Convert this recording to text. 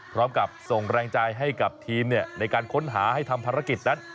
พร้อมกับส่งแรงใจให้กับทีมในการค้นหาให้ทำภารกิจนั้น